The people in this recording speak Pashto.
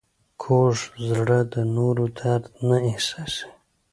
کوږ زړه د نورو درد نه احساسوي